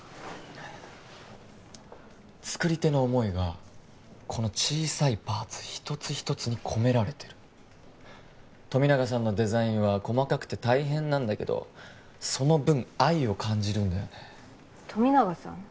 作り手の思いがこの小さいパーツ一つ一つに込められてる富永さんのデザインは細かくて大変なんだけどその分愛を感じるんだよね富永さん？